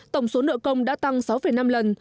tổng số nợ công đã tăng sáu năm lần